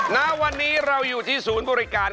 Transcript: ณวันนี้เราอยู่ที่ศูนย์บริการ